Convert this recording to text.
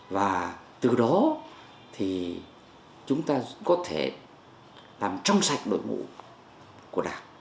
và từ đó thì chúng ta có thể làm trong sạch đội ngũ